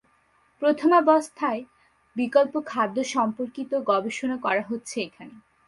প্রথমাবস্থায় বিকল্প খাদ্য সম্পর্কিত গবেষণা করা হচ্ছে এখানে।